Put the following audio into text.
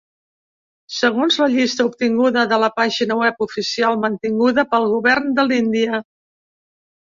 Segons la llista obtinguda de la pàgina web oficial mantinguda pel govern de l'Índia.